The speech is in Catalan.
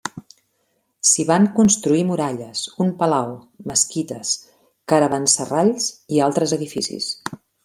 S'hi van construir muralles, un palau, mesquites, caravanserralls i altres edificis.